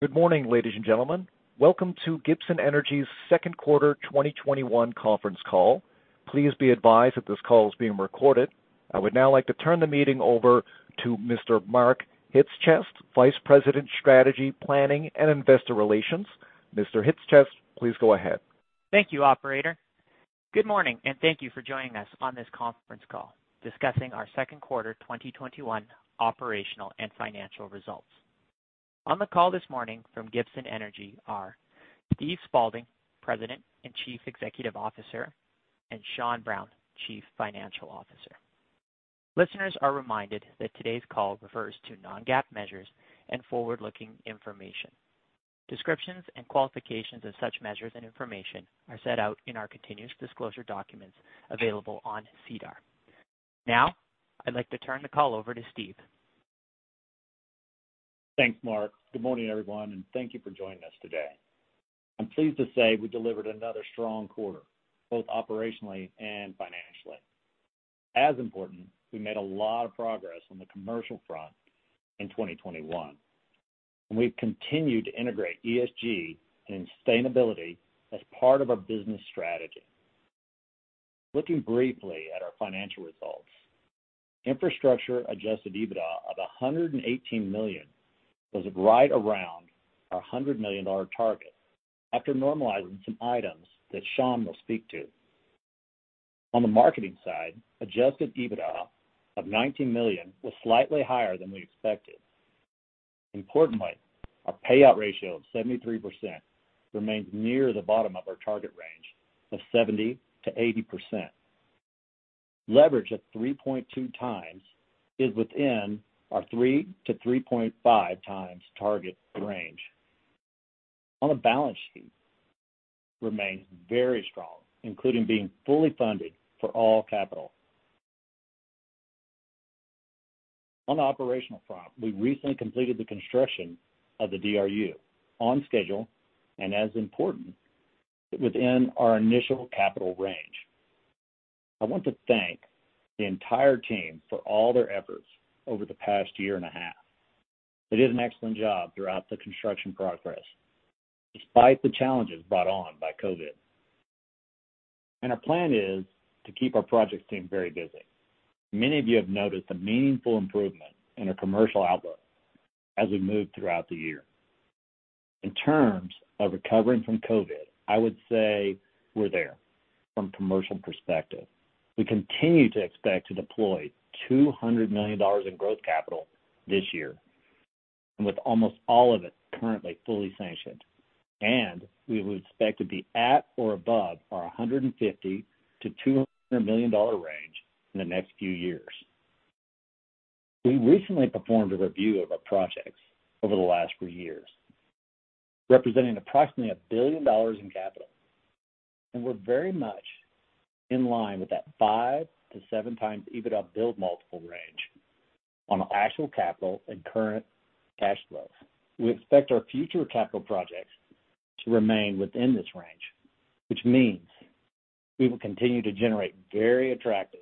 Good morning, ladies and gentlemen. Welcome to Gibson Energy's second quarter 2021 conference call. Please be advised that this call is being recorded. I would now like to turn the meeting over to Mr. Mark Chyc-Cies, Vice President, Strategy, Planning, and Investor Relations. Mr. Chyc-Cies, please go ahead. Thank you, operator. Good morning, and thank you for joining us on this conference call discussing our second quarter 2021 operational and financial results. On the call this morning from Gibson Energy are Steve Spaulding, President and Chief Executive Officer, and Sean Brown, Chief Financial Officer. Listeners are reminded that today's call refers to non-GAAP measures and forward-looking information. Descriptions and qualifications of such measures and information are set out in our continuous disclosure documents available on SEDAR. Now, I'd like to turn the call over to Steve. Thanks, Mark. Good morning, everyone, and thank you for joining us today. I'm pleased to say we delivered another strong quarter, both operationally and financially. We've continued to integrate ESG and sustainability as part of our business strategy. Looking briefly at our financial results, infrastructure adjusted EBITDA of 118 million was right around our 100 million dollar target after normalizing some items that Sean will speak to. On the marketing side, adjusted EBITDA of 19 million was slightly higher than we expected. Importantly, our payout ratio of 73% remains near the bottom of our target range of 70%-80%. Leverage of 3.2x is within our 3x-3.5x target range. On the balance sheet, remains very strong, including being fully funded for all capital. On the operational front, we recently completed the construction of the DRU on schedule, and as important, within our initial capital range. I want to thank the entire team for all their efforts over the past year and a half. They did an excellent job throughout the construction progress, despite the challenges brought on by COVID. Our plan is to keep our project team very busy. Many of you have noticed a meaningful improvement in our commercial outlook as we move throughout the year. In terms of recovering from COVID, I would say we're there from commercial perspective. We continue to expect to deploy 200 million dollars in growth capital this year, and with almost all of it currently fully sanctioned, and we would expect to be at or above our 150 million-200 million dollar range in the next few years. We recently performed a review of our projects over the last three years, representing approximately 1 billion dollars in capital, and we're very much in line with that 5x to 7x EBITDA build multiple range on actual capital and current cash flows. We expect our future capital projects to remain within this range, which means we will continue to generate very attractive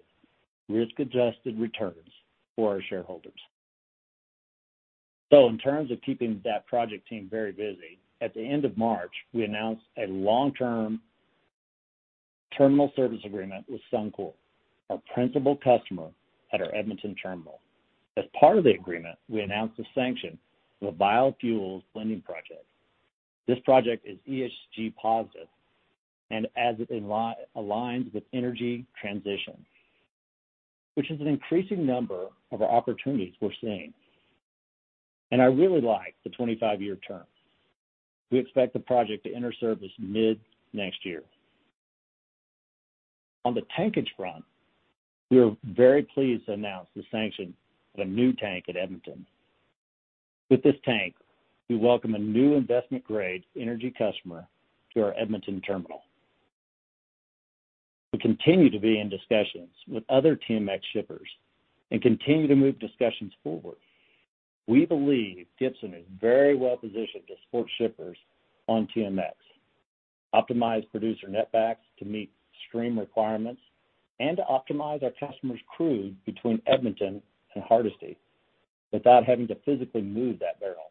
risk-adjusted returns for our shareholders. In terms of keeping that project team very busy, at the end of March, we announced a long-term terminal service agreement with Suncor, our principal customer at our Edmonton terminal. As part of the agreement, we announced the sanction of a biofuels blending project. This project is ESG positive and as it aligns with energy transition, which is an increasing number of opportunities we're seeing. I really like the 25-year term. We expect the project to enter service mid-next year. On the tankage front, we are very pleased to announce the sanction of a new tank at Edmonton. With this tank, we welcome a new investment-grade energy customer to our Edmonton terminal. We continue to be in discussions with other TMX shippers and continue to move discussions forward. We believe Gibson is very well positioned to support shippers on TMX, optimize producer netbacks to meet stream requirements, and to optimize our customers' crude between Edmonton and Hardisty without having to physically move that barrel.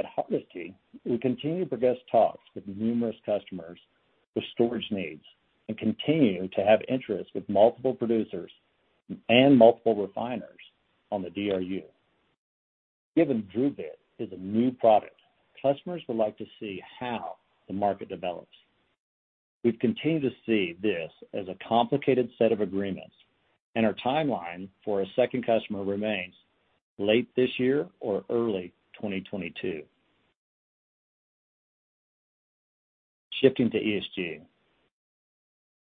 At Hardisty, we continue progress talks with numerous customers with storage needs and continue to have interest with multiple producers and multiple refiners on the DRU. Given DRUbit is a new product, customers would like to see how the market develops. We continue to see this as a complicated set of agreements, and our timeline for a second customer remains late this year or early 2022. Shifting to ESG.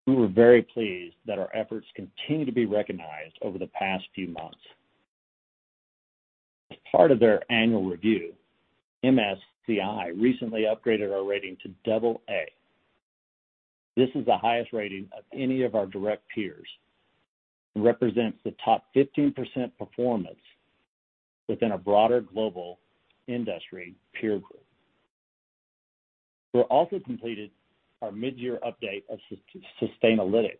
We were very pleased that our efforts continue to be recognized over the past few months. As part of their annual review, MSCI recently upgraded our rating to double A. This is the highest rating of any of our direct peers and represents the top 15% performance within a broader global industry peer group. We also completed our mid-year update of Sustainalytics,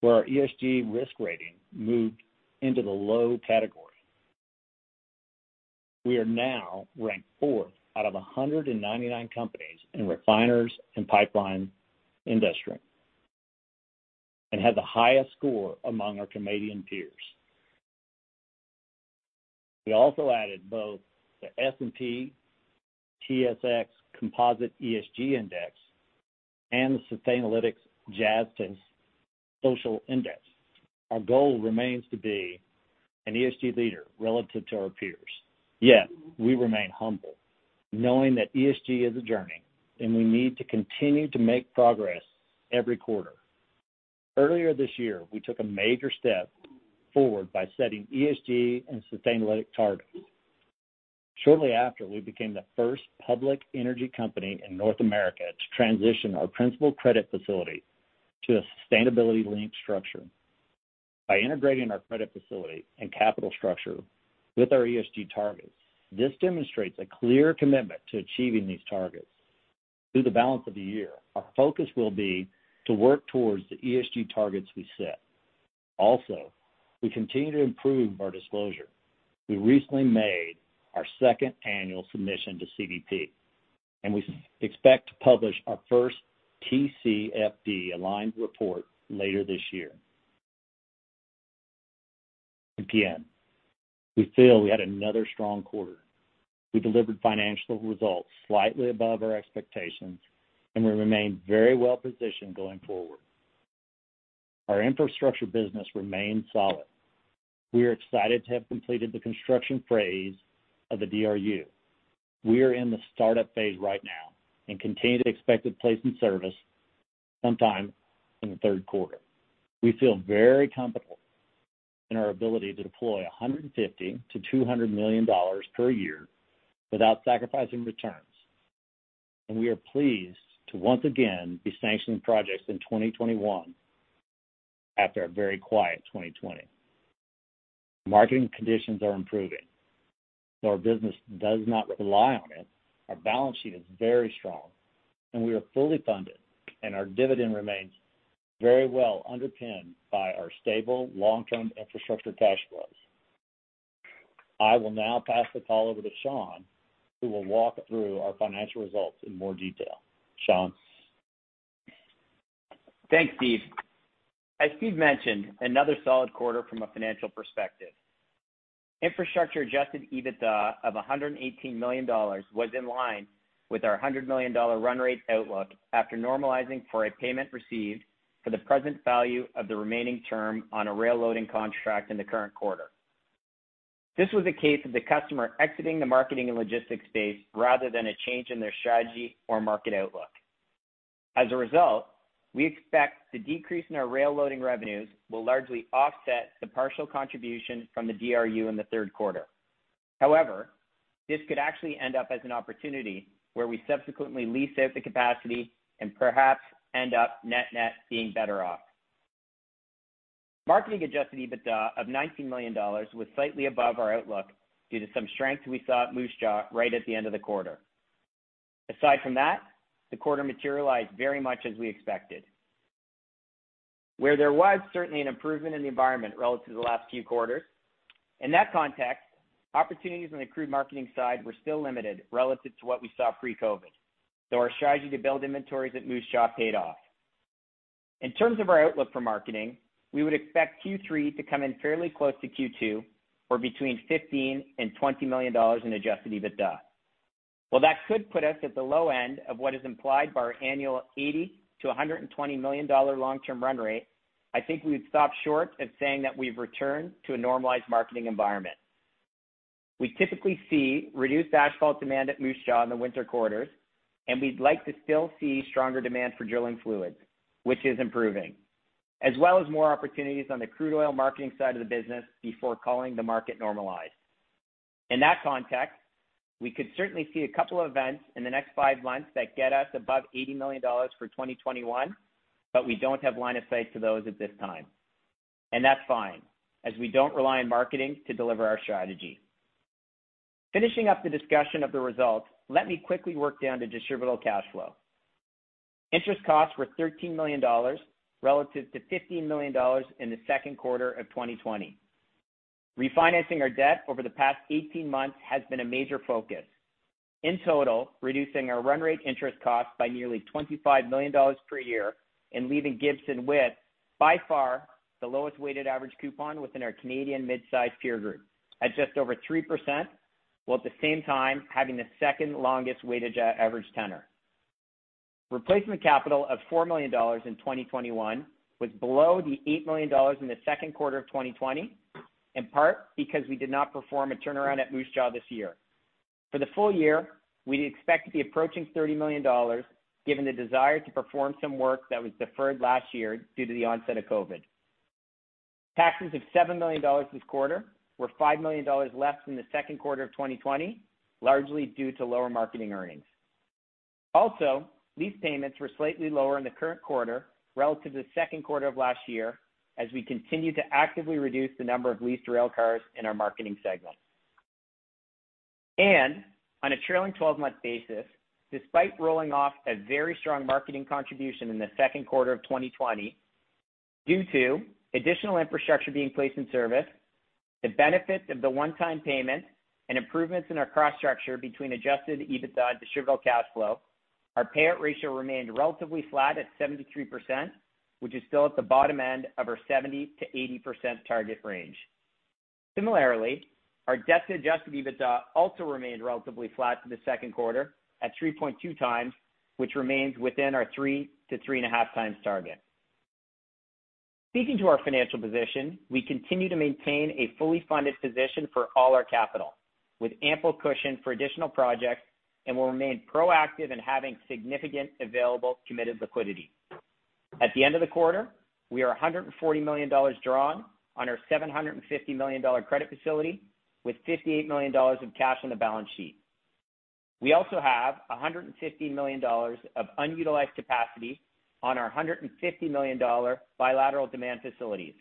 where our ESG risk rating moved into the low category. We are now ranked fourth out of 199 companies in refiners and pipeline industry and have the highest score among our Canadian peers. We also added both the S&P/TSX Composite ESG Index and the Sustainalytics Jantzi Social Index. Our goal remains to be an ESG leader relative to our peers. We remain humble knowing that ESG is a journey, and we need to continue to make progress every quarter. Earlier this year, we took a major step forward by setting ESG and Sustainalytics targets. Shortly after, we became the first public energy company in North America to transition our principal credit facility to a sustainability linked structure. By integrating our credit facility and capital structure with our ESG targets, this demonstrates a clear commitment to achieving these targets. Through the balance of the year, our focus will be to work towards the ESG targets we set. We continue to improve our disclosure. We recently made our second annual submission to CDP. We expect to publish our first TCFD aligned report later this year. We feel we had another strong quarter. We delivered financial results slightly above our expectations. We remain very well positioned going forward. Our infrastructure business remains solid. We are excited to have completed the construction phase of the DRU. We are in the startup phase right now and continue to expect it placed in service sometime in the third quarter. We feel very comfortable in our ability to deploy 150 million-200 million dollars per year without sacrificing returns, and we are pleased to once again be sanctioning projects in 2021 after a very quiet 2020. Marketing conditions are improving. Though our business does not rely on it, our balance sheet is very strong, and we are fully funded, and our dividend remains very well underpinned by our stable long-term infrastructure cash flows. I will now pass the call over to Sean, who will walk through our financial results in more detail. Sean? Thanks, Steve. As Steve mentioned, another solid quarter from a financial perspective. Infrastructure adjusted EBITDA of 118 million dollars was in line with our 100 million dollar run rate outlook after normalizing for a payment received for the present value of the remaining term on a rail loading contract in the current quarter. This was a case of the customer exiting the marketing and logistics space rather than a change in their strategy or market outlook. We expect the decrease in our rail loading revenues will largely offset the partial contribution from the DRU in the third quarter. This could actually end up as an opportunity where we subsequently lease out the capacity and perhaps end up net-net being better off. Marketing adjusted EBITDA of 19 million dollars was slightly above our outlook due to some strength we saw at Moose Jaw right at the end of the quarter. Aside from that, the quarter materialized very much as we expected. Where there was certainly an improvement in the environment relative to the last few quarters. In that context, opportunities on the crude marketing side were still limited relative to what we saw pre-COVID, though our strategy to build inventories at Moose Jaw paid off. In terms of our outlook for marketing, we would expect Q3 to come in fairly close to Q2 or between 15 million and 20 million dollars in adjusted EBITDA. While that could put us at the low end of what is implied by our annual 80 million to 120 million dollar long-term run rate, I think we would stop short of saying that we've returned to a normalized marketing environment. We typically see reduced asphalt demand at Moose Jaw in the winter quarters, and we'd like to still see stronger demand for drilling fluids, which is improving, as well as more opportunities on the crude oil marketing side of the business before calling the market normalized. In that context, we could certainly see a couple of events in the next five months that get us above 80 million dollars for 2021, but we don't have line of sight to those at this time. That's fine, as we don't rely on marketing to deliver our strategy. Finishing up the discussion of the results, let me quickly work down to distributable cash flow. Interest costs were CAD 13 million relative to CAD 15 million in the second quarter of 2020. Refinancing our debt over the past 18 months has been a major focus. In total, reducing our run rate interest cost by nearly 25 million dollars per year and leaving Gibson with, by far, the lowest weighted average coupon within our Canadian mid-size peer group at just over 3%, while at the same time having the second longest weighted average tenor. Replacement capital of 4 million dollars in 2021 was below the 8 million dollars in the second quarter of 2020, in part because we did not perform a turnaround at Moose Jaw this year. For the full-year, we'd expect to be approaching 30 million dollars, given the desire to perform some work that was deferred last year due to the onset of COVID. Taxes of 7 million dollars this quarter were 5 million dollars less than the second quarter of 2020, largely due to lower marketing earnings. Also, lease payments were slightly lower in the current quarter relative to the second quarter of last year, as we continue to actively reduce the number of leased railcars in our marketing segment. On a trailing 12-month basis, despite rolling off a very strong marketing contribution in the second quarter of 2020, due to additional infrastructure being placed in service, the benefit of the one-time payment, and improvements in our cost structure between adjusted EBITDA distributable cash flow, our payout ratio remained relatively flat at 73%, which is still at the bottom end of our 70%-80% target range. Similarly, our debt to adjusted EBITDA also remained relatively flat for the second quarter at 3.2x, which remains within our 3x to 3.5x target. Speaking to our financial position, we continue to maintain a fully funded position for all our capital, with ample cushion for additional projects, and will remain proactive in having significant available committed liquidity. At the end of the quarter, we are 140 million dollars drawn on our 750 million dollar credit facility with 58 million dollars of cash on the balance sheet. We also have 150 million dollars of unutilized capacity on our 150 million dollar bilateral demand facilities,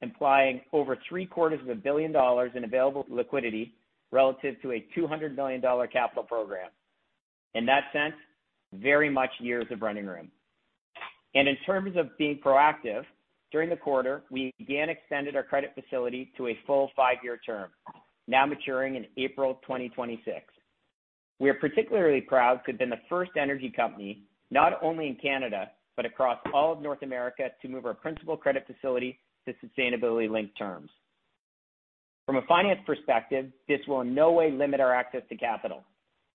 implying over three-quarters of a billion CAD in available liquidity relative to a 200 million dollar capital program. In that sense, very much years of running room. In terms of being proactive, during the quarter, we again extended our credit facility to a full five-year term, now maturing in April 2026. We are particularly proud to have been the first energy company, not only in Canada, but across all of North America to move our principal credit facility to sustainability-linked terms. From a finance perspective, this will in no way limit our access to capital,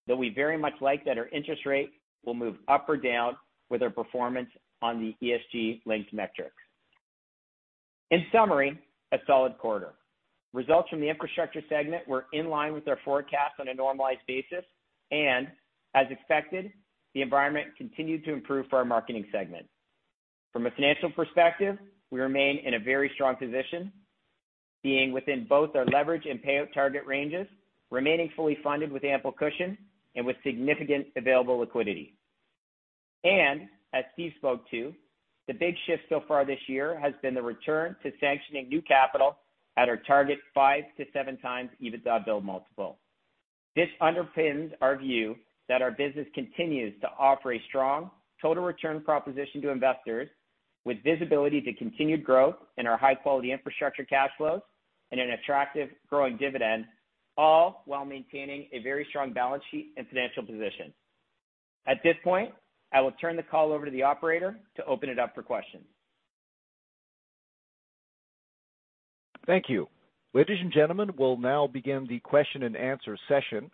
though we very much like that our interest rate will move up or down with our performance on the ESG-linked metrics. In summary, a solid quarter. Results from the infrastructure segment were in line with our forecast on a normalized basis, and as expected, the environment continued to improve for our marketing segment. From a financial perspective, we remain in a very strong position, being within both our leverage and payout target ranges, remaining fully funded with ample cushion, and with significant available liquidity. As Steve spoke to, the big shift so far this year has been the return to sanctioning new capital at our target 5x to 7x EBITDA multiple. This underpins our view that our business continues to offer a strong total return proposition to investors with visibility to continued growth in our high-quality infrastructure cash flows and an attractive growing dividend, all while maintaining a very strong balance sheet and financial position. At this point, I will turn the call over to the operator to open it up for questions. Thank you. Ladies and gentlemen, we'll now begin the question and answer session.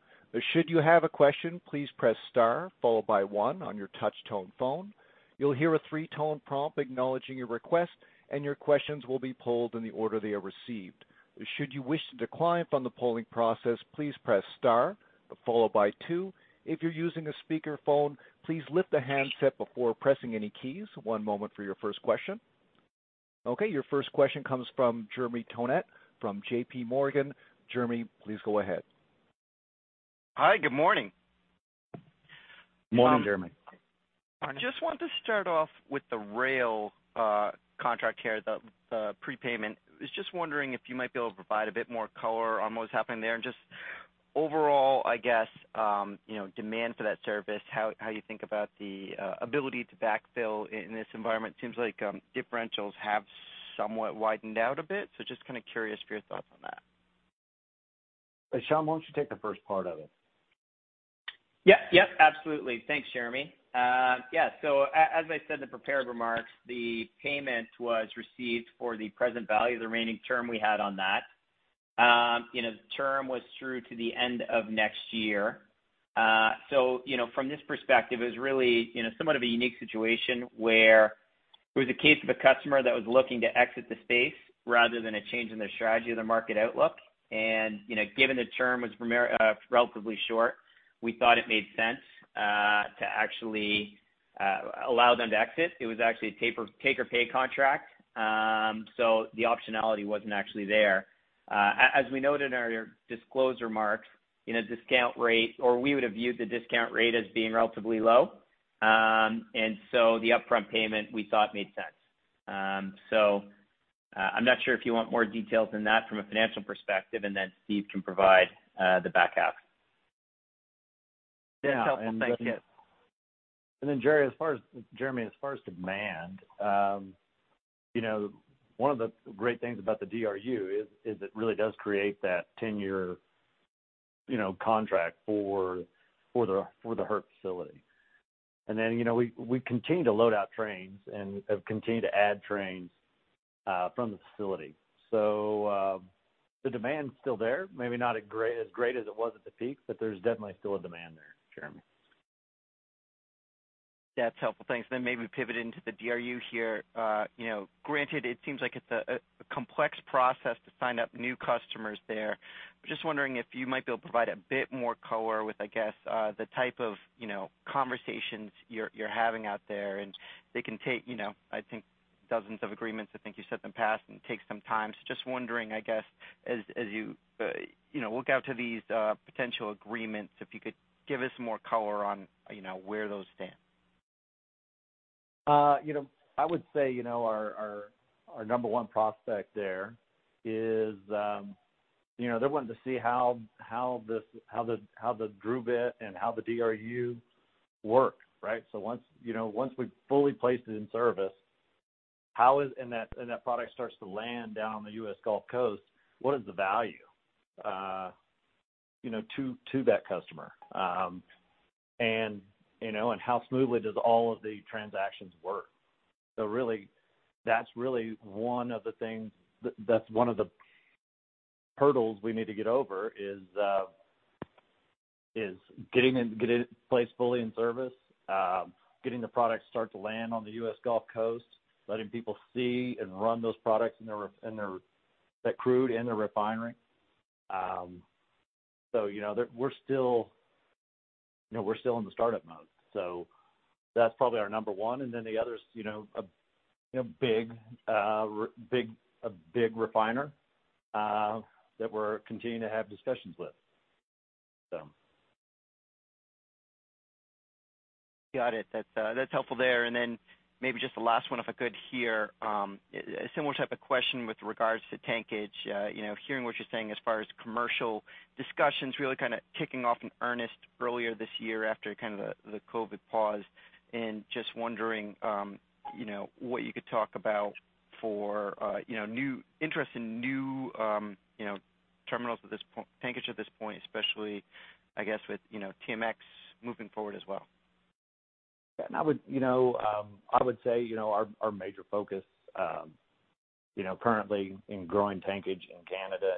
Should you have a question, please press star followed by one on your touch tone phone. You'll hear a three-tone prompt acknowledging your request, and your questions will be polled in the order they are received. Should you wish to decline from the polling process, please press star followed by two. If you're using a speakerphone, please lift the handset before pressing any keys. One moment for your first question. Your first question comes from Jeremy Tonet from JPMorgan. Jeremy, please go ahead. Hi, good morning. Morning, Jeremy. I just want to start off with the rail contract here, the prepayment. I was just wondering if you might be able to provide a bit more color on what's happening there and just overall, I guess, demand for that service, how you think about the ability to backfill in this environment. Seems like differentials have somewhat widened out a bit. Just kind of curious for your thoughts on that. Sean, why don't you take the first part of it? Absolutely. Thanks, Jeremy. As I said in the prepared remarks, the payment was received for the present value of the remaining term we had on that. The term was through to the end of next year. From this perspective, it was really somewhat of a unique situation where it was a case of a customer that was looking to exit the space rather than a change in their strategy or their market outlook. Given the term was relatively short, we thought it made sense to actually allow them to exit. It was actually a take or pay contract, so the optionality wasn't actually there. As we noted in our disclosure remarks, we would have viewed the discount rate as being relatively low. The upfront payment, we thought made sense. I'm not sure if you want more details than that from a financial perspective, and then Steve can provide the back half. That's helpful. Thanks. Yeah. Jeremy, as far as demand, one of the great things about the DRU is it really does create that 10-year contract for the Hardisty facility. We continue to load out trains and have continued to add trains from the facility. The demand's still there, maybe not as great as it was at the peak, but there's definitely still a demand there, Jeremy. That's helpful. Thanks. Maybe pivot into the DRU here. Granted, it seems like it's a complex process to sign up new customers there. I'm just wondering if you might be able to provide a bit more color with, I guess, the type of conversations you're having out there, and they can take, I think, dozens of agreements. I think you said in the past it takes some time. Just wondering, I guess, as you look out to these potential agreements, if you could give us more color on where those stand. I would say, our number one prospect there is they're wanting to see how the DRUbit and how the DRU work, right? Once we've fully placed it in service, and that product starts to land down on the U.S. Gulf Coast, what is the value to that customer? How smoothly does all of the transactions work? Really, that's really one of the things, that's one of the hurdles we need to get over is getting it placed fully in service, getting the product start to land on the U.S. Gulf Coast, letting people see and run those products that crude in the refinery. We're still in the startup mode. That's probably our number one. The other is, a big refiner that we're continuing to have discussions with. Got it. That's helpful there. Then maybe just the last one, if I could here. A similar type of question with regards to tankage. Hearing what you're saying as far as commercial discussions really kind of kicking off in earnest earlier this year after kind of the COVID pause, and just wondering what you could talk about for interest in new terminals at this point, tankage at this point, especially, I guess, with TMX moving forward as well. Yeah. I would say our major focus currently in growing tankage in Canada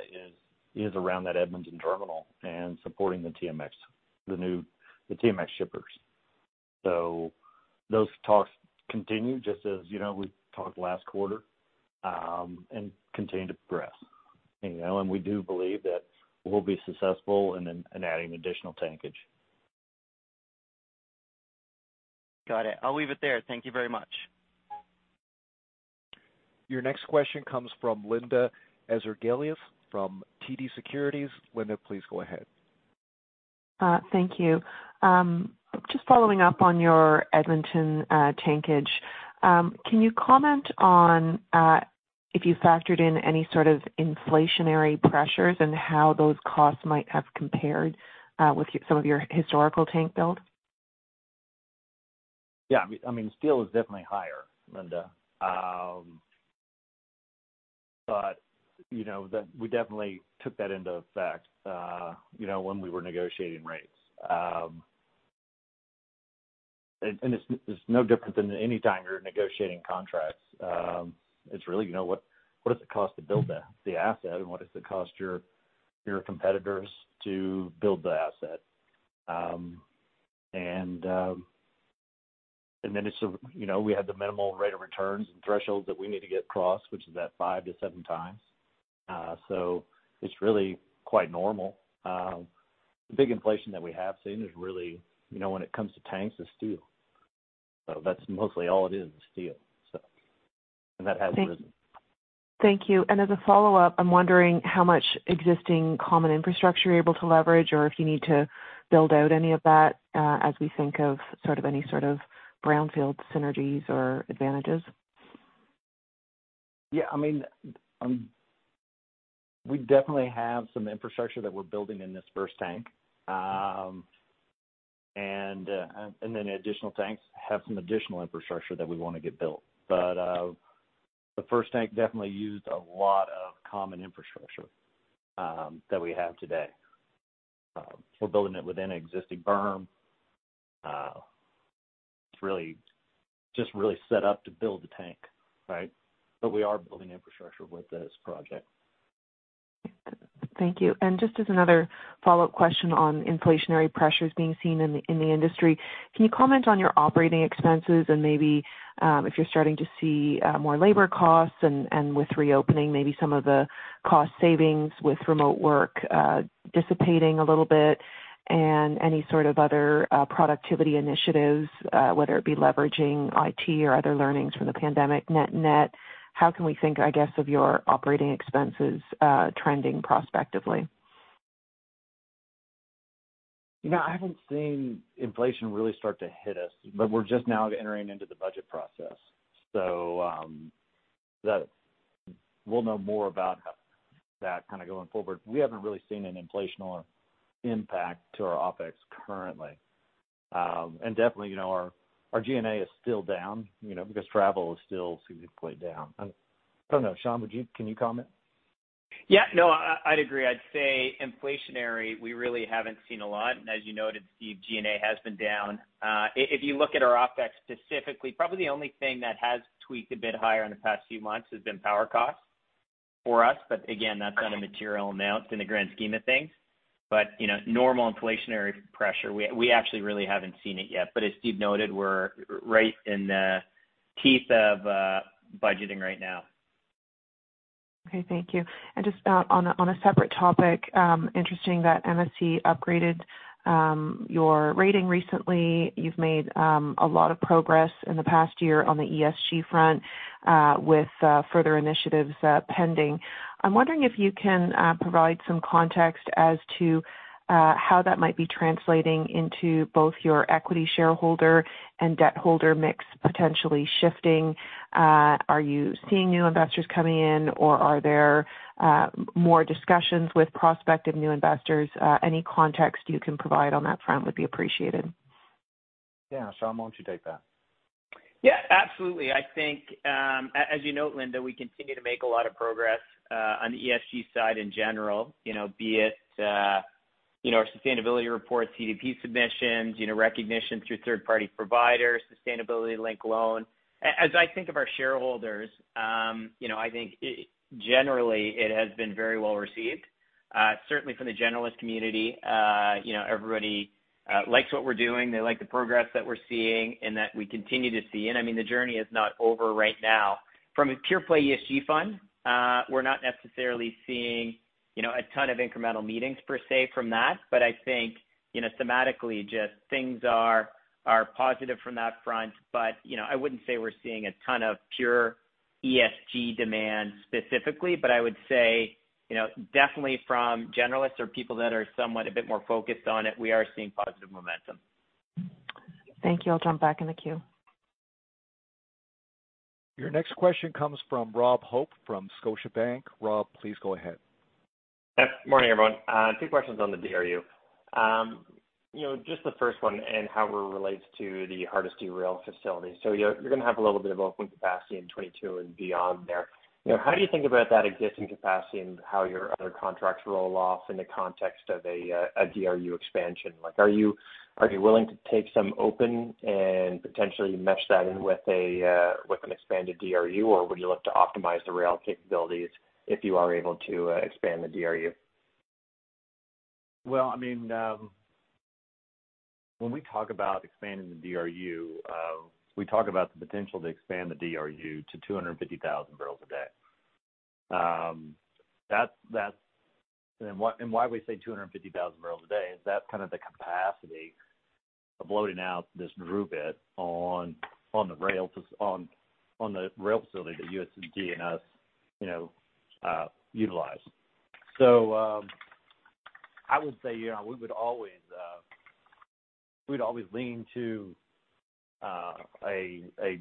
is around that Edmonton terminal and supporting the TMX shippers. Those talks continue, just as we talked last quarter, and continue to progress. We do believe that we'll be successful in adding additional tankage. Got it. I'll leave it there. Thank you very much. Your next question comes from Linda Ezergailis from TD Securities. Linda, please go ahead. Thank you. Just following up on your Edmonton tankage. Can you comment on if you factored in any sort of inflationary pressures and how those costs might have compared with some of your historical tank build? Yeah. Steel is definitely higher, Linda. We definitely took that into effect when we were negotiating rates. It's no different than any time you're negotiating contracts. It's really what does it cost to build the asset, and what does it cost your competitors to build the asset? Then we have the minimal rate of returns and thresholds that we need to get across, which is that 5x to 7x. It's really quite normal. The big inflation that we have seen is really when it comes to tanks is steel. That's mostly all it is steel. That has risen. Thank you. As a follow-up, I'm wondering how much existing common infrastructure you're able to leverage, or if you need to build out any of that as we think of any sort of brownfield synergies or advantages? Yeah, we definitely have some infrastructure that we're building in this first tank. Then the additional tanks have some additional infrastructure that we want to get built. The first tank definitely used a lot of common infrastructure that we have today. We're building it within an existing berm. It's really just set up to build a tank, right? We are building infrastructure with this project. Thank you. Just as another follow-up question on inflationary pressures being seen in the industry, can you comment on your operating expenses and maybe if you're starting to see more labor costs and with reopening, maybe some of the cost savings with remote work dissipating a little bit and any sort of other productivity initiatives, whether it be leveraging IT or other learnings from the pandemic net net? How can we think, I guess, of your operating expenses trending prospectively? I haven't seen inflation really start to hit us, but we're just now entering into the budget process. We'll know more about that kind of going forward. We haven't really seen an inflationary impact to our OpEx currently. Definitely our G&A is still down, because travel is still significantly down. I don't know, Sean, can you comment? Yeah, no, I'd agree. I'd say inflationary, we really haven't seen a lot. As you noted, Steve, G&A has been down. If you look at our OpEx specifically, probably the only thing that has tweaked a bit higher in the past few months has been power costs for us. Again, that's not a material amount in the grand scheme of things. Normal inflationary pressure, we actually really haven't seen it yet. As Steve noted, we're right in the teeth of budgeting right now. Okay, thank you. Just on a separate topic, interesting that MSCI upgraded your rating recently. You've made a lot of progress in the past year on the ESG front, with further initiatives pending. I'm wondering if you can provide some context as to how that might be translating into both your equity shareholder and debt holder mix potentially shifting. Are you seeing new investors coming in, or are there more discussions with prospective new investors? Any context you can provide on that front would be appreciated. Yeah, Sean, why don't you take that? Yeah, absolutely. I think, as you note, Linda, we continue to make a lot of progress on the ESG side in general, be it our sustainability report, CDP submissions, recognition through third-party providers, sustainability-linked loan. As I think of our shareholders, I think generally it has been very well-received. Certainly from the generalist community, everybody likes what we're doing. They like the progress that we're seeing and that we continue to see. I mean, the journey is not over right now. From a pure play ESG fund, we're not necessarily seeing a ton of incremental meetings per se from that. I think thematically just things are positive from that front. I wouldn't say we're seeing a ton of pure ESG demand specifically, but I would say definitely from generalists or people that are somewhat a bit more focused on it, we are seeing positive momentum. Thank you. I'll jump back in the queue. Your next question comes from Rob Hope from Scotiabank. Rob, please go ahead. Yep. Morning, everyone. Two questions on the DRU. Just the first one and how it relates to the Hardisty rail facility. You're going to have a little bit of open capacity in 2022 and beyond there. How do you think about that existing capacity and how your other contracts roll off in the context of a DRU expansion? Are you willing to take some open and potentially mesh that in with an expanded DRU? Or would you look to optimize the rail capabilities if you are able to expand the DRU? Well, when we talk about expanding the DRU, we talk about the potential to expand the DRU to 250,000 bpd. Why we say 250,000 bpd is that's kind of the capacity of loading out this DRUbit on the rail facility that USDG and utilize. I would say we'd always lean to a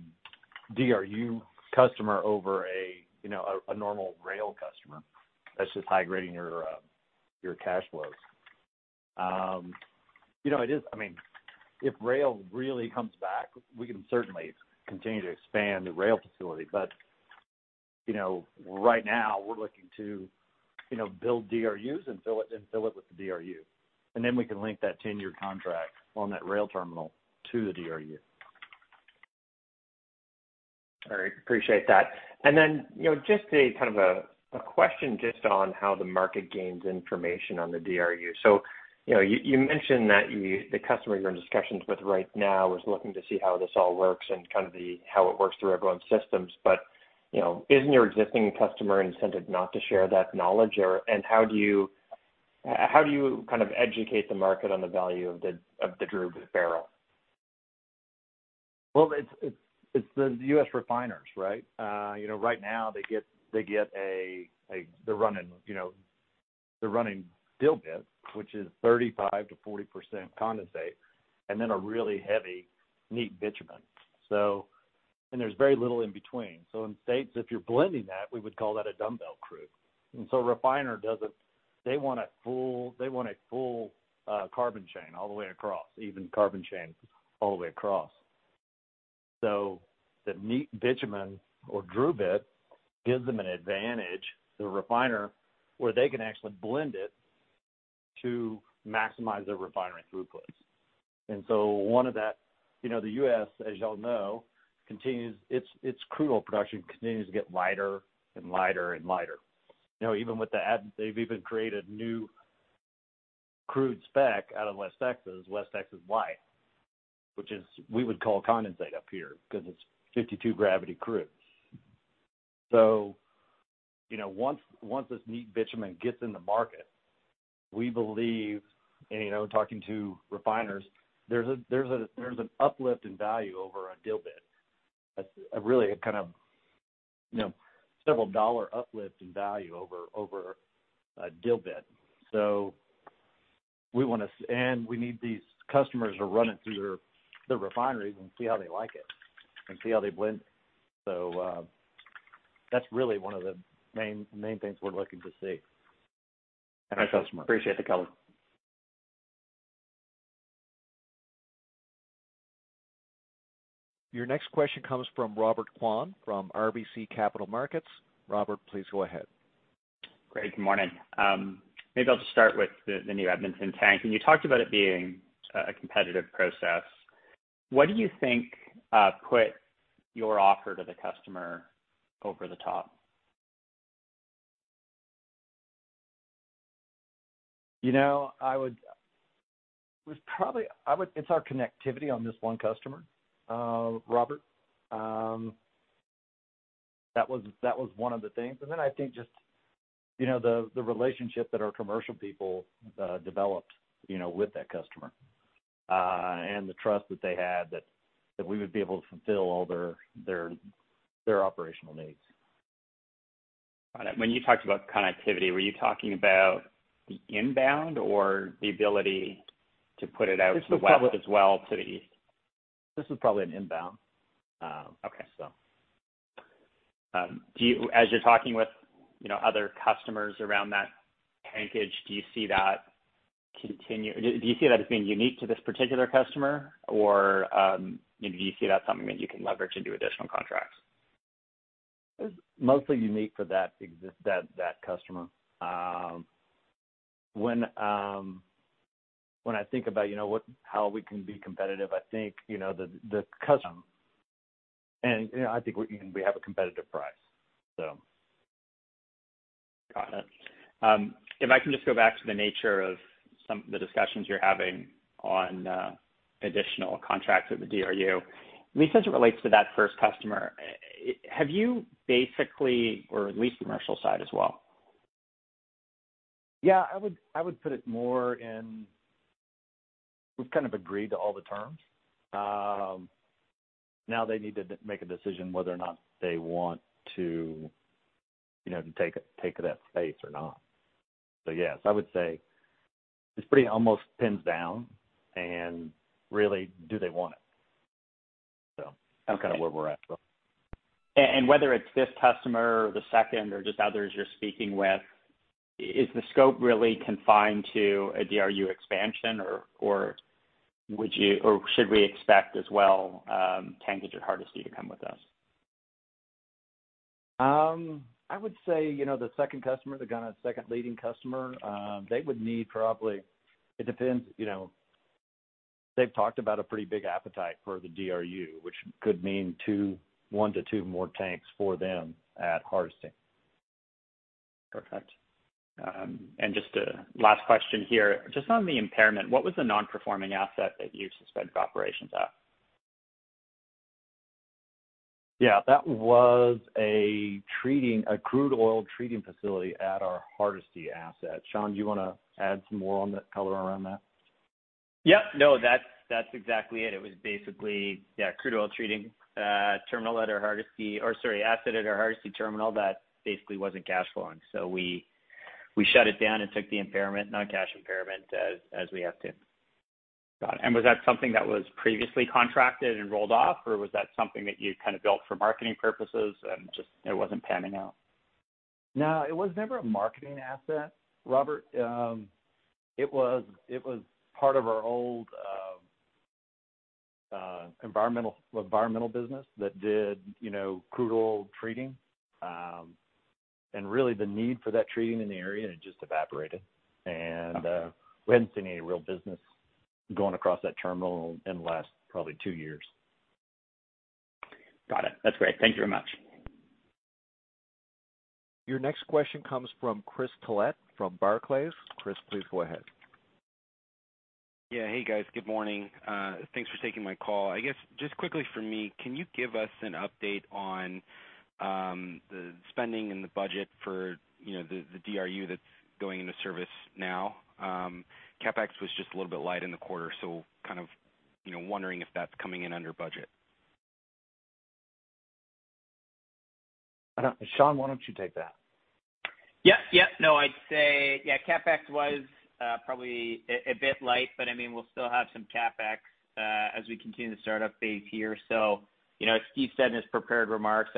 DRU customer over a normal rail customer. That's just high-grading your cash flows. If rail really comes back, we can certainly continue to expand the rail facility. Right now, we're looking to build DRUs and fill it with the DRU. Then we can link that 10-year contract on that rail terminal to the DRU. All right. Appreciate that. Just a question just on how the market gains information on the DRU. You mentioned that the customer you're in discussions with right now is looking to see how this all works and how it works through everyone's systems. Isn't your existing customer incented not to share that knowledge? How do you kind of educate the market on the value of the DRU barrel? Well, it's the U.S. refiners, right? Right now they're running dilbit, which is 35%-40% condensate, and then a really heavy, neat bitumen. There's very little in between. In states, if you're blending that, we would call that a dumbbell crude. They want a full carbon chain all the way across, even carbon chain all the way across. The neat bitumen or DRUbit gives them an advantage, the refiner, where they can actually blend it to maximize their refinery throughputs. The U.S., as you all know, its crude oil production continues to get lighter and lighter and lighter. They've even created new crude spec out of West Texas, West Texas Light, which we would call condensate up here because it's 52 gravity crude. Once this neat bitumen gets in the market, we believe, and talking to refiners, there's an uplift in value over a dilbit. A really kind of several dollar uplift in value over a dilbit. We need these customers to run it through their refineries and see how they like it, and see how they blend it. That's really one of the main things we're looking to see in our customers. Appreciate the color. Your next question comes from Robert Kwan from RBC Capital Markets. Robert, please go ahead. Great. Good morning. Maybe I'll just start with the new Edmonton tank. When you talked about it being a competitive process, what do you think put your offer to the customer over the top? It's our connectivity on this 1 customer, Robert. That was 1 of the things. I think just the relationship that our commercial people developed with that customer, and the trust that they had that we would be able to fulfill all their operational needs. Got it. When you talked about connectivity, were you talking about the inbound or the ability to put it out to the west as well, to the east? This is probably an inbound. Okay. As you're talking with other customers around that tankage, do you see that as being unique to this particular customer? Do you see that something that you can leverage into additional contracts? It's mostly unique for that customer. When I think about how we can be competitive, I think the customer, and I think we have a competitive price. Got it. If I can just go back to the nature of some of the discussions you're having on additional contracts with the DRU. In the sense it relates to that first customer, have you basically or at least the commercial side as well? Yeah, I would put it more in, we've kind of agreed to all the terms. They need to make a decision whether or not they want to take that space or not. Yes, I would say it pretty almost pins down, and really, do they want it? Okay. That's kind of where we're at. Whether it's this customer or the second or just others you're speaking with, is the scope really confined to a DRU expansion, or should we expect as well tankage at Hardisty to come with this? I would say, the second customer, the second leading customer, they would need probably. It depends. They've talked about a pretty big appetite for the DRU, which could mean one to two more tanks for them at Hardisty. Perfect. Just a last question here. Just on the impairment, what was the non-performing asset that you suspended operations at? Yeah. That was a crude oil treating facility at our Hardisty facility. Sean, do you want to add some more on the color around that? Yep. No, that's exactly it. It was basically crude oil treating terminal at our Hardisty or, sorry, asset at our Hardisty terminal that basically wasn't cash flowing. We shut it down and took the impairment, non-cash impairment as we have to. Got it. Was that something that was previously contracted and rolled off, or was that something that you kind of built for marketing purposes and just it wasn't panning out? No, it was never a marketing asset, Robert. It was part of our old environmental business that did crude oil treating. Really the need for that treating in the area, it just evaporated. Okay. We hadn't seen any real business going across that terminal in the last probably two years. Got it. That's great. Thank you very much. Your next question comes from Chris Collett from Barclays. Chris, please go ahead. Yeah. Hey, guys. Good morning. Thanks for taking my call. I guess just quickly from me, can you give us an update on the spending and the budget for the DRU that's going into service now? CapEx was just a little bit light in the quarter, so kind of wondering if that's coming in under budget. Sean, why don't you take that? Yes. No, I'd say CapEx was probably a bit light. We'll still have some CapEx as we continue the startup phase here. As Steve said in his prepared remarks,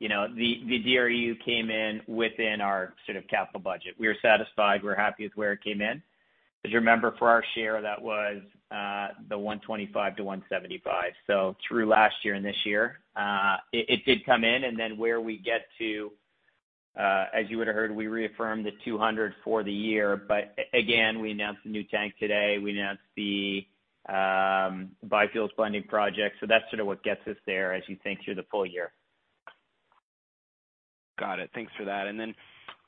the DRU came in within our sort of capital budget. We are satisfied. We're happy with where it came in. Remember, for our share, that was the 125-175, so through last year and this year. It did come in. Where we get to, as you would've heard, we reaffirmed the 200 for the year. Again, we announced the new tank today. We announced the biofuels blending project. That's sort of what gets us there as you think through the full-year. Got it. Thanks for that.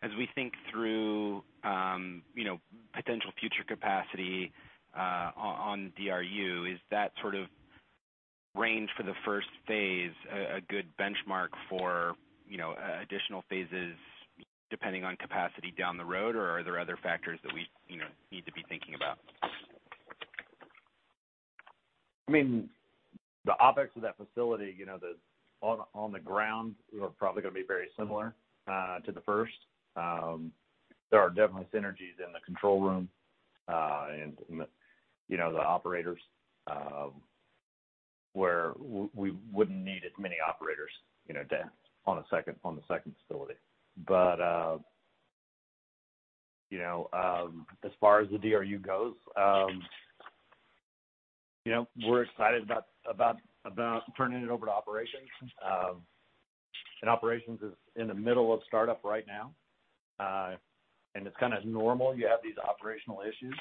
As we think through potential future capacity on DRU, is that sort of range for the first phase a good benchmark for additional phases depending on capacity down the road, or are there other factors that we need to be thinking about? The objects of that facility, on the ground are probably going to be very similar to the first. There are definitely synergies in the control room, and the operators, where we wouldn't need as many operators on the second facility. As far as the DRU goes, we're excited about turning it over to operations. Operations is in the middle of startup right now. It's kind of normal you have these operational issues.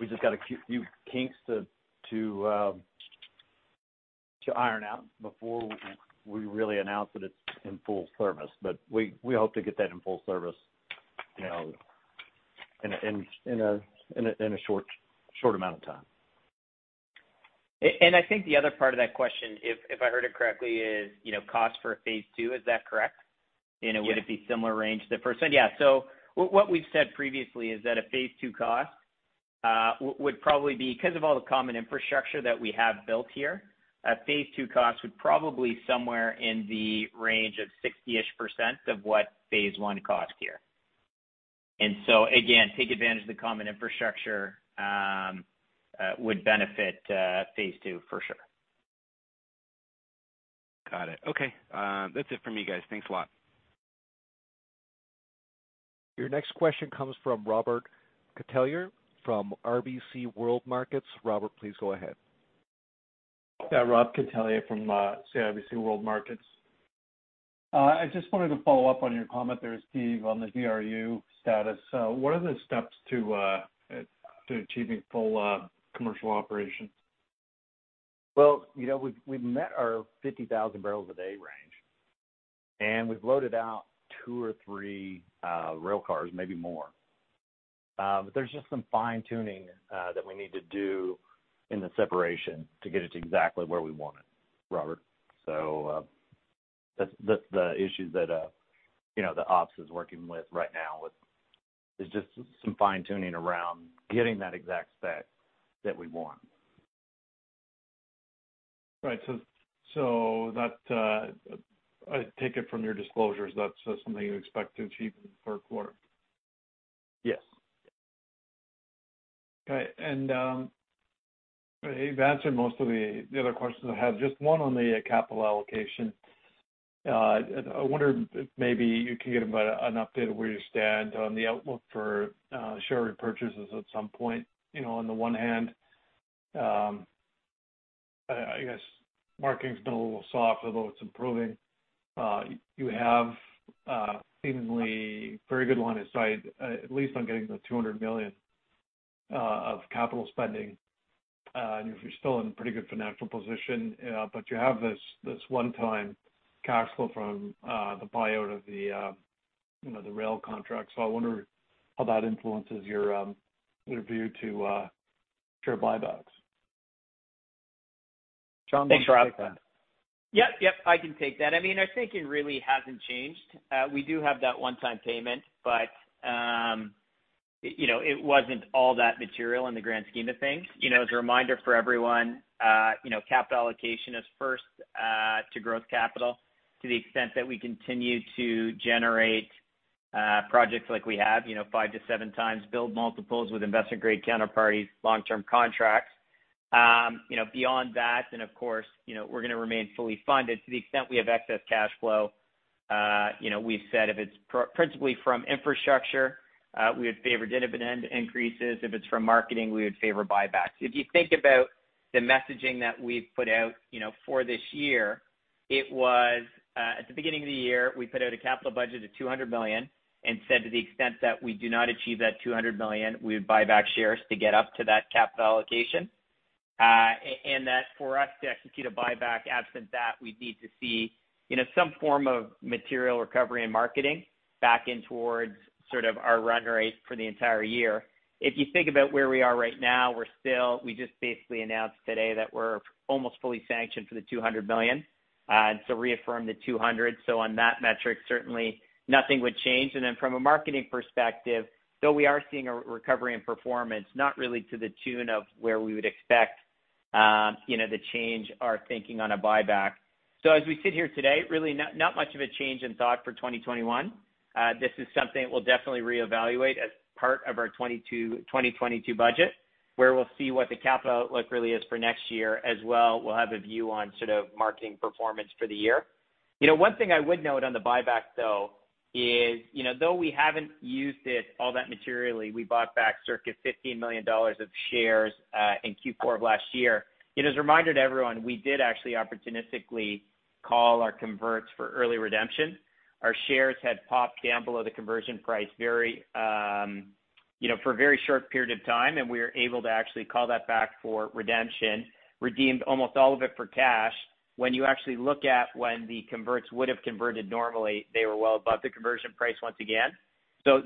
We just got a few kinks to iron out before we really announce that it's in full service. We hope to get that in full service in a short amount of time. I think the other part of that question, if I heard it correctly, is cost for phase II. Is that correct? Yeah. Would it be similar range to the first one? Yeah. What we've said previously is that a phase II cost would probably be, because of all the common infrastructure that we have built here, a phase II cost would probably somewhere in the range of 60-ish% of what phase I cost here. Again, taking advantage of the common infrastructure would benefit phase II for sure. Got it. Okay. That's it from me, guys. Thanks a lot. Your next question comes from Robert Catellier from CIBC World Markets. Robert, please go ahead. Yeah. Robert Catellier from CIBC World Markets. I just wanted to follow up on your comment there, Steve, on the DRU status. What are the steps to achieving full commercial operation? Well, we've met our 50,000 bpd range. We've loaded out two or three rail cars, maybe more. There's just some fine-tuning that we need to do in the separation to get it to exactly where we want it, Robert. That's the issue that the ops is working with right now, is just some fine-tuning around getting that exact spec that we want. Right. I take it from your disclosures, that's something you expect to achieve in the third quarter? Yes. Okay. You've answered most of the other questions I have. Just one on the capital allocation. I wonder if maybe you can give an update of where you stand on the outlook for share repurchases at some point. On the one hand, I guess marketing's been a little soft, although it's improving. You have seemingly a very good line of sight, at least on getting the 200 million of capital spending. You're still in a pretty good financial position, but you have this one-time cash flow from the buyout of the rail contract. I wonder how that influences your view to share buybacks. Sean, why don't you take that? Thanks, Rob. Yep. I can take that. I think it really hasn't changed. We do have that one-time payment, but it wasn't all that material in the grand scheme of things. A reminder for everyone, capital allocation is first to growth capital to the extent that we continue to generate projects like we have, 5x to 7x build multiples with investment-grade counterparties long-term contracts. Beyond that, of course, we're going to remain fully funded to the extent we have excess cash flow. We've said if it's principally from infrastructure, we would favor dividend increases. If it's from marketing, we would favor buybacks. If you think about the messaging that we've put out for this year, at the beginning of the year, we put out a capital budget of 200 million and said to the extent that we do not achieve that 200 million, we would buy back shares to get up to that capital allocation. That for us to execute a buyback, absent that, we'd need to see some form of material recovery and marketing back in towards sort of our run rate for the entire year. If you think about where we are right now, we just basically announced today that we're almost fully sanctioned for the 200 million. Reaffirmed the 200. On that metric, certainly nothing would change. From a marketing perspective, though we are seeing a recovery in performance, not really to the tune of where we would expect to change our thinking on a buyback. As we sit here today, really not much of a change in thought for 2021. This is something that we'll definitely reevaluate as part of our 2022 budget, where we'll see what the capital outlook really is for next year, as well we'll have a view on sort of marketing performance for the year. One thing I would note on the buyback, though, is though we haven't used it all that materially, we bought back circa 15 million dollars of shares in Q4 of last year. As a reminder to everyone, we did actually opportunistically call our converts for early redemption. Our shares had popped down below the conversion price for a very short period of time. We were able to actually call that back for redemption, redeemed almost all of it for cash. When you actually look at when the converts would have converted normally, they were well above the conversion price once again. Though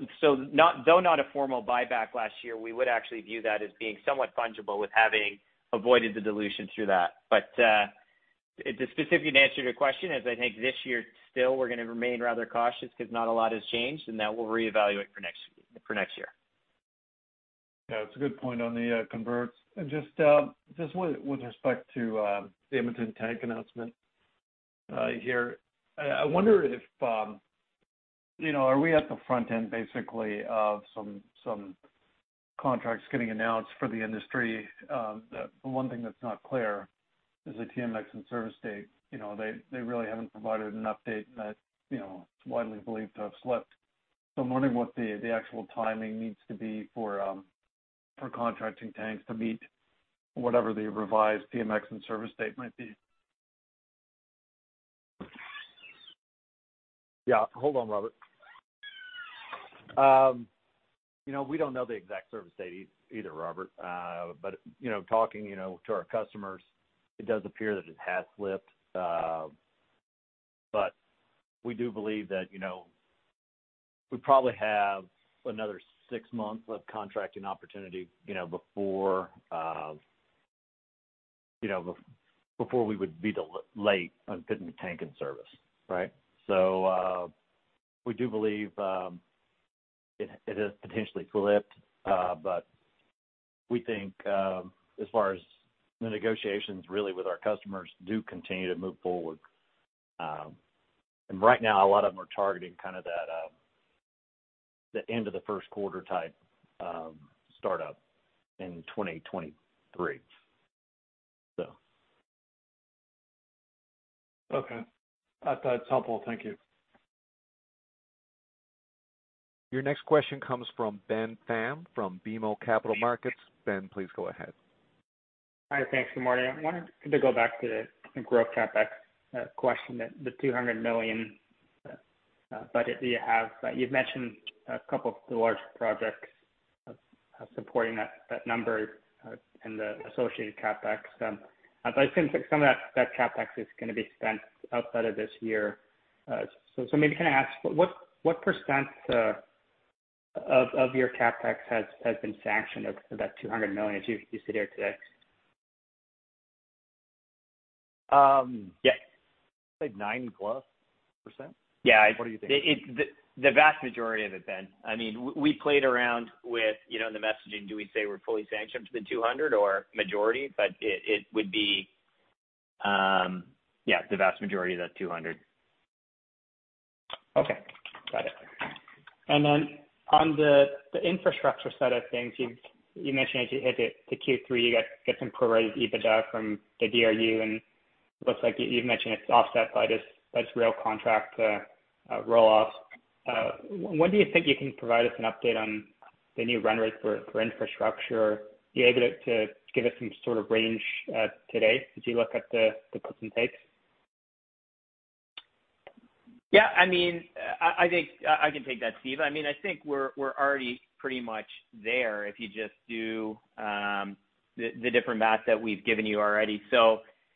not a formal buyback last year, we would actually view that as being somewhat fungible with having avoided the dilution through that. The specific answer to your question is I think this year still we're going to remain rather cautious because not a lot has changed, and that we'll reevaluate for next year. Yeah, it's a good point on the converts. Just with respect to the Edmonton tank announcement here, I wonder, are we at the front end, basically, of some contracts getting announced for the industry? The one thing that's not clear is the TMX in-service date. They really haven't provided an update that it's widely believed to have slipped. I'm wondering what the actual timing needs to be for contracting tanks to meet whatever the revised TMX in-service date might be. Yeah. Hold on, Robert. We don't know the exact service date either, Robert. Talking to our customers, it does appear that it has slipped. We do believe that we probably have another six months of contracting opportunity before we would be late on putting the tank in service, right? We do believe it has potentially slipped. We think as far as the negotiations really with our customers do continue to move forward. Right now, a lot of them are targeting that end of the first quarter type startup in 2023. Okay. That's helpful. Thank you. Your next question comes from Ben Pham from BMO Capital Markets. Ben, please go ahead. Hi. Thanks, good morning. I wanted to go back to the growth CapEx question, the 200 million budget that you have. You've mentioned a couple of the larger projects supporting that number and the associated CapEx. I assume some of that CapEx is going to be spent outside of this year. Maybe can I ask what percent of your CapEx has been sanctioned of that 200 million as you sit here today? Yeah. I'd say 90%+. What do you think? Yeah. The vast majority of it, Ben. We played around with the messaging. Do we say we're fully sanctioned for the 200 or majority? It would be the vast majority of that 200. Okay. Got it. On the infrastructure side of things, you mentioned as you hit it to Q3, you get some pro-rated EBITDA from the DRU, and it looks like you've mentioned it's offset by just rail contract roll-offs. When do you think you can provide us an update on the new run rate for infrastructure? Are you able to give us some sort of range today as you look at the puts and takes? I can take that, Steve. I think we're already pretty much there if you just do the different math that we've given you already.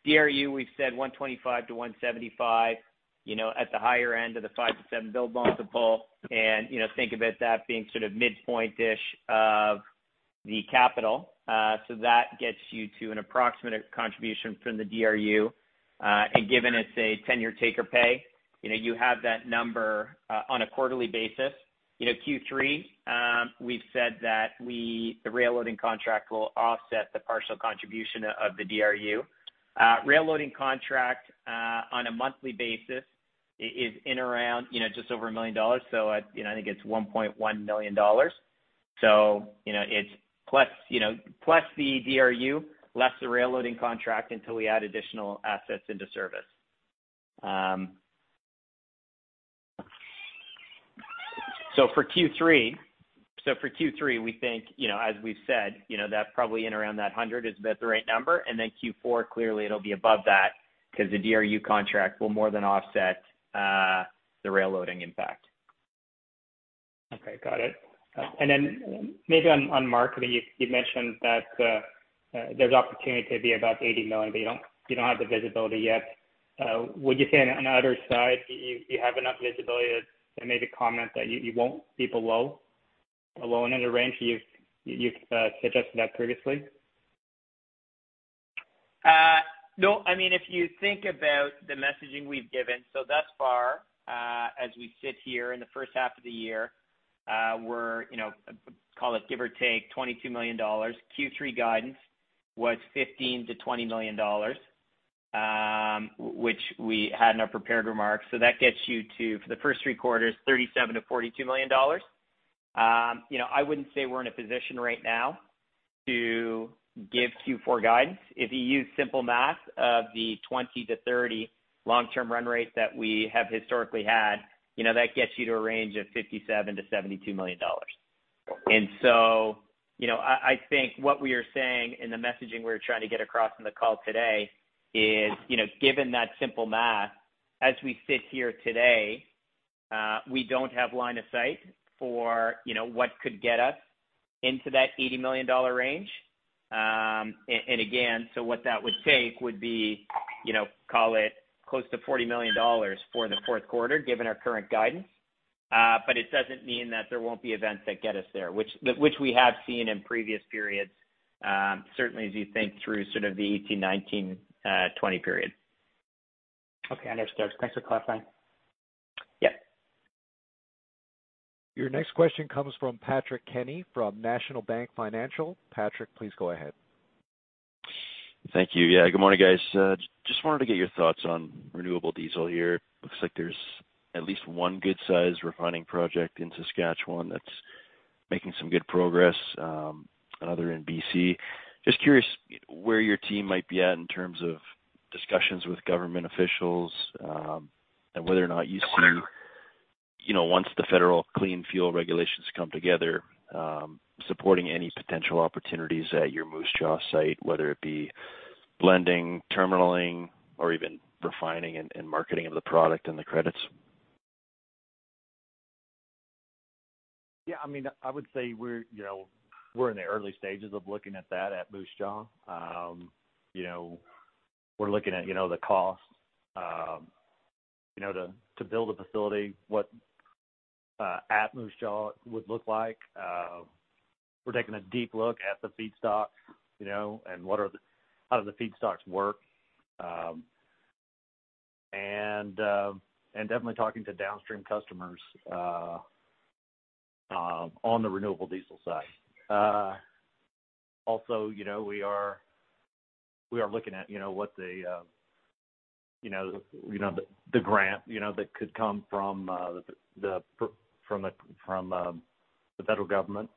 DRU, we've said 125 million-175 million at the higher end of the 5 to 7x build multiple, and think about that being sort of midpoint-ish of the capital. That gets you to an approximate contribution from the DRU. Given it's a 10-year take or pay, you have that number on a quarterly basis. Q3, we've said that the rail loading contract will offset the partial contribution of the DRU. Rail loading contract on a monthly basis is in around just over 1 million dollars. I think it's 1.1 million dollars. It's plus the DRU, less the rail loading contract until we add additional assets into service. For Q3, we think as we've said, that probably in around that 100 is about the right number. Then Q4, clearly it'll be above that because the DRU contract will more than offset the rail loading impact. Okay, got it. Maybe on marketing, you mentioned that there's opportunity to be about 80 million, but you don't have the visibility yet. Would you say on the other side, you have enough visibility to maybe comment that you won't be below another range? You've suggested that previously. No. If you think about the messaging we've given, thus far as we sit here in the first half of the year, we're call it give or take 22 million dollars. Q3 guidance was 15 million-20 million dollars, which we had in our prepared remarks. That gets you to, for the first three quarters, 37 million-42 million dollars. I wouldn't say we're in a position right now to give Q4 guidance. If you use simple math of the 20-30 long-term run rate that we have historically had, that gets you to a range of 57 million-72 million dollars. I think what we are saying in the messaging we're trying to get across on the call today is given that simple math, as we sit here today, we don't have line of sight for what could get us into that 80 million dollar range. What that would take would be, call it close to 40 million dollars for the fourth quarter, given our current guidance. It doesn't mean that there won't be events that get us there, which we have seen in previous periods, certainly as you think through sort of the 2018, 2019, 2020 period. Okay, understood. Thanks for clarifying. Yep. Your next question comes from Patrick Kenny from National Bank Financial. Patrick, please go ahead. Thank you. Yeah. Good morning, guys. Just wanted to get your thoughts on renewable diesel here. Looks like there's at least one good-sized refining project in Saskatchewan that's making some good progress, another in B.C. Curious where your team might be at in terms of discussions with government officials, and whether or not you see once the federal Clean Fuel Regulations come together supporting any potential opportunities at your Moose Jaw site, whether it be blending, terminaling, or even refining and marketing of the product and the credits. Yeah. I would say we're in the early stages of looking at that at Moose Jaw. We're looking at the cost to build a facility, what at Moose Jaw would look like. We're taking a deep look at the feedstock and how do the feedstocks work. Definitely talking to downstream customers on the renewable diesel side. Also, we are looking at the grant that could come from the federal government.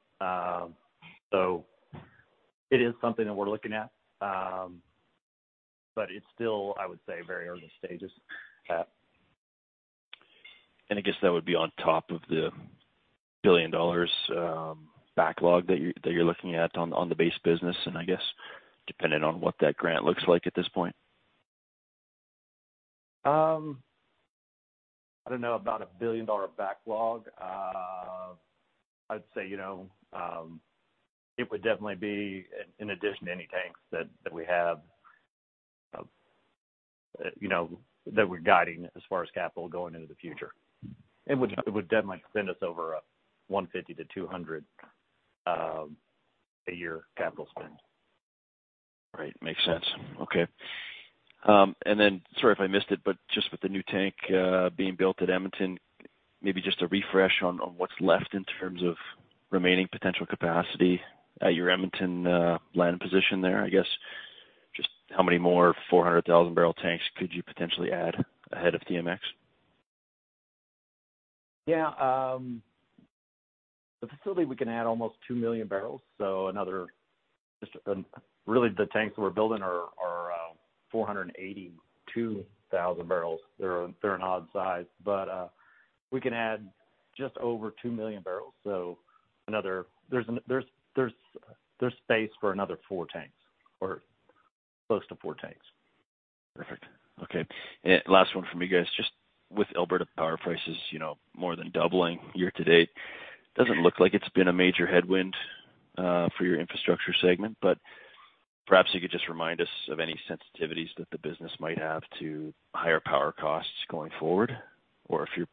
It is something that we're looking at. It's still, I would say, very early stages. I guess that would be on top of the billion dollars backlog that you're looking at on the base business, and I guess depending on what that grant looks like at this point. I don't know about a billion-dollar backlog. I'd say it would definitely be in addition to any tanks that we have, that we're guiding as far as capital going into the future. It would definitely send us over a 150-200 a year capital spend. Right. Makes sense. Okay. Sorry if I missed it, but just with the new tank being built at Edmonton, maybe just a refresh on what's left in terms of remaining potential capacity at your Edmonton land position there. I guess, just how many more 400,000bbl tanks could you potentially add ahead of TMX? Yeah. The facility, we can add almost 2MMbbl. really the tanks we're building are 482,000bbl. They're an odd size. we can add just over 2MMbbl. there's space for another four tanks or close to four tanks. Perfect. Okay. Last one from me, guys. Just with Alberta power prices more than doubling year to date, doesn't look like it's been a major headwind for your infrastructure segment. Perhaps you could just remind us of any sensitivities that the business might have to higher power costs going forward, or if you're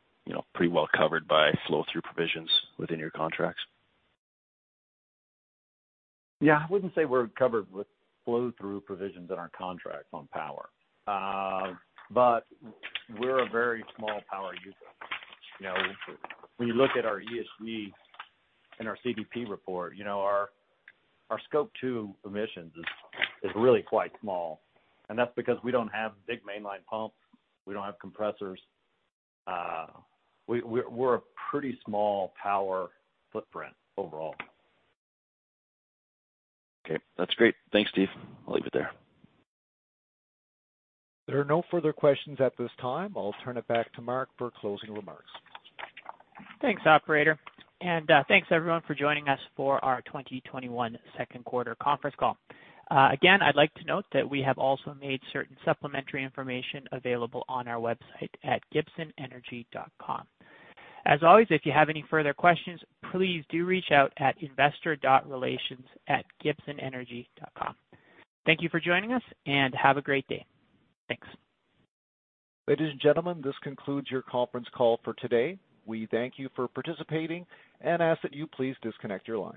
pretty well covered by flow-through provisions within your contracts. Yeah. I wouldn't say we're covered with flow-through provisions in our contracts on power. We're a very small power user. When you look at our ESG and our CDP report, our scope 2 emissions is really quite small. That's because we don't have big mainline pumps. We don't have compressors. We're a pretty small power footprint overall. Okay. That's great. Thanks, Steve. I'll leave it there. There are no further questions at this time. I'll turn it back to Mark for closing remarks. Thanks, operator. Thanks everyone for joining us for our 2021 second quarter conference call. Again, I'd like to note that we have also made certain supplementary information available on our website at gibsonenergy.com. As always, if you have any further questions, please do reach out at investor.relations@gibsonenergy.com. Thank you for joining us, and have a great day. Thanks. Ladies and gentlemen, this concludes your conference call for today. We thank you for participating and ask that you please disconnect your lines.